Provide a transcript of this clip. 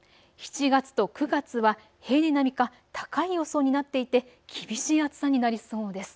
７月と９月は平年並みか高い予想になっていて厳しい暑さになりそうです。